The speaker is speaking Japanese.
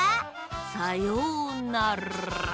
さようなら！